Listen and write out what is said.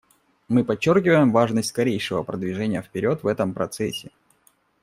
Мы подчеркиваем важность скорейшего продвижения вперед в этом процессе.